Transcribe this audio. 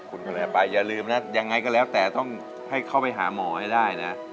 คุณคะแนนไปอย่าลืมนะยังไงก็แล้วแต่ต้องให้เข้าไปหาหมอให้ได้นะ